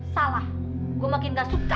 salah gue makin gak suka